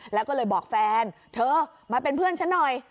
แล้วก็เลยบอกแฟนเธอมาเป็นเพื่อนฉันหน่อย